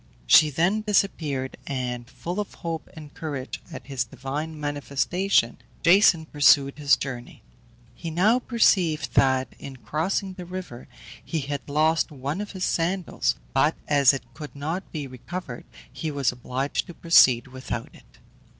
She then disappeared, and, full of hope and courage at this divine manifestation, Jason pursued his journey. He now perceived that in crossing the river he had lost one of his sandals, but as it could not be recovered he was obliged to proceed without it.